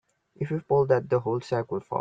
If you pull that the whole stack will fall.